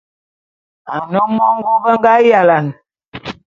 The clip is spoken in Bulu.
Ane mongô be nga yalane.